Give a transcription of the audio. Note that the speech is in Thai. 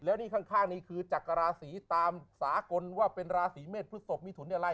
ทางนี้คือจักราศรีตามสากลว่าเป็นราศรีเมศพฤศพนิทุนอะไร